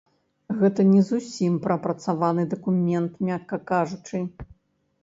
Гэта не зусім прапрацаваны дакумент, мякка кажучы.